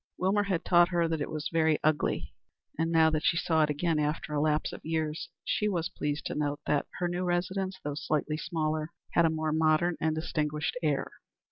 Wilbur had taught her that it was very ugly, and now that she saw it again after a lapse of years she was pleased to note that her new residence, though slightly smaller, had a more modern and distinguished air.